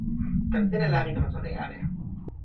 tan sina la mi kama sona e ale.